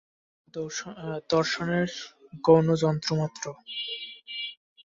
চক্ষু কেবল দর্শনের গৌণ যন্ত্রমাত্র।